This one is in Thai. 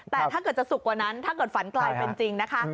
แต่ถ้าเกิดจะสุกกว่านั้นถ้าเกิดฝันกลายเป็นจริงนะคะ